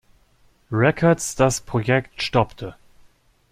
Records das Projekt stoppte.